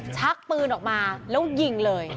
ชักปืนออกมาแล้วยิงเลย